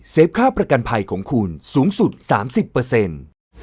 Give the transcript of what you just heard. เซฟค่าประกันภัยของคุณสูงสุดสามสิบเปอร์เซ็นต์